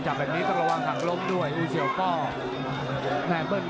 มาสิ้นเชียร์